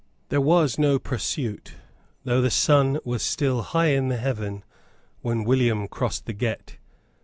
There was no pursuit, though the sun was still high in the heaven when William crossed the Gette.